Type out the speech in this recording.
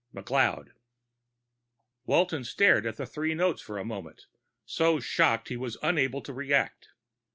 _ McLeod Walton stared at the three notes for a moment, so shocked he was unable to react.